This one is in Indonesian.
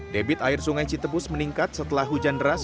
debit air sungai citebus meningkat setelah hujan deras